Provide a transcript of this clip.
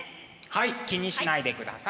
はい気にしないでください。